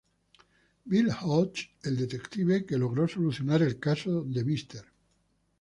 Bill Hodges, el detective que logró solucionar el caso de Mr.